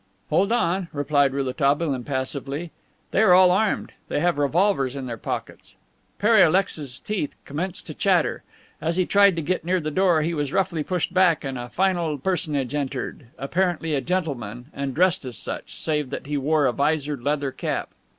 "Hold on," replied Rouletabille impassively. "They are all armed; they have revolvers in their pockets." Pere Alexis's teeth commenced to chatter. As he tried to get near the door he was roughly pushed back and a final personage entered, apparently a gentleman, and dressed as such, save that he wore a visored leather cap.